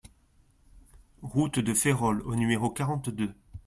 Route de Férolles au numéro quarante-deux